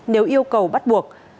nếu yêu cầu bắt buộc